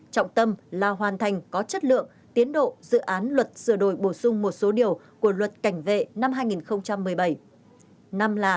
trọng tâm là hoàn thành có chất lượng tiến độ dự án luật sửa đổi bổ sung một số điều của luật cảnh vệ năm hai nghìn một mươi bảy